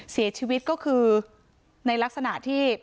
เสียชีวิตก็คือในลักษณะที่